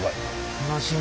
楽しみ。